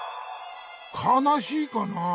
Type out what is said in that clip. かなしいかなあ？